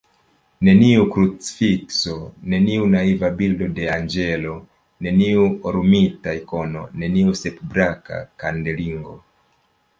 Neniu krucifikso, neniu naiva bildo de anĝelo, neniu orumita ikono, neniu sep-braka kandelingo.